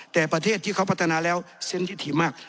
แต่ประเทศที่เขาพัฒนาแล้วเซ็นต์ที่ถี่มาก